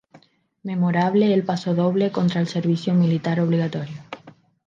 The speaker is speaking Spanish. Memorable el pasodoble contra el servicio militar obligatorio.